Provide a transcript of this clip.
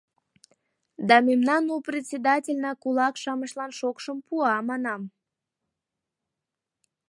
Да мемнан у председательна кулак-шамычлан шокшым пуа, манам.